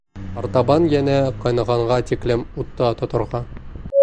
Артабан йәнә ҡайнағанға тиклем утта тоторға.